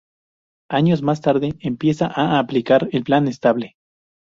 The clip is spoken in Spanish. Años más tarde empieza a aplicar el Plan Estable.